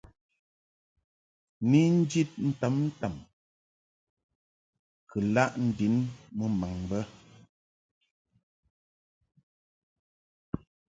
Ni njid ntamtam kɨ laʼ ndin mumbaŋ bə.